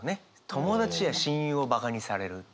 友達や親友をバカにされるって。